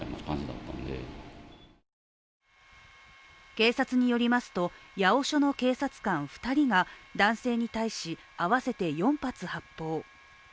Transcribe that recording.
警察によりますと、八尾署の警察官２人が男性に対し、合わせて４発発砲。